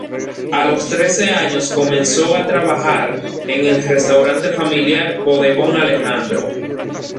A los trece años comenzó a trabajar en el restaurante familiar, Bodegón Alejandro.